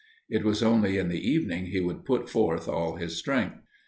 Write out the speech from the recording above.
It was only in the evening he would put forth all his strength.